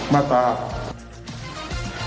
๒๕๖๐มาตรา